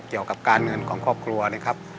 เกี่ยวกับการเงินของครอบครัวนะครับ